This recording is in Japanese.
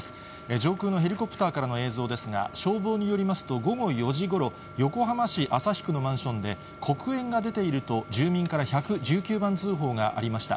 上空のヘリコプターからの映像ですが、消防によりますと、午後４時ごろ、横浜市旭区のマンションで、黒煙が出ていると、住民から１１９番通報がありました。